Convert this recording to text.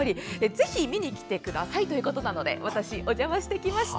ぜひ見に来てくださいということなので私、お邪魔してきました！